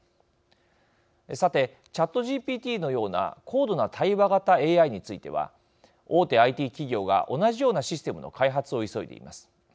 さて、ＣｈａｔＧＰＴのような高度な対話型ＡＩについては大手ＩＴ企業が同じようなシステムの開発を急いでいます。